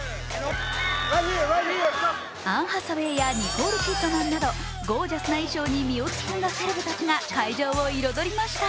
アン・ハサウェイやニコール・キッドマンなどゴージャスな衣装に身を包んだセレブたちが会場を彩りました。